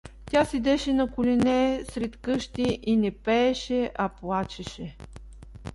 Тя седеше на колене сред къщи и не пееше, а плачеше.